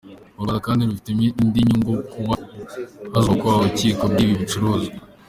U Rwanda kandi rubifitemo indi inyungu kuko hazubakwa ububiko bw’ibyo bicuruzwa.